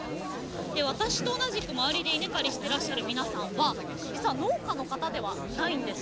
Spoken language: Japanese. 私と同じく周りで稲刈りしてらっしゃる皆さんは実は農家の方ではないんです。